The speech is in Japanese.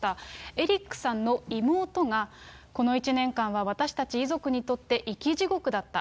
エリックさんの妹が、この１年間は私たち遺族にとって生き地獄だった。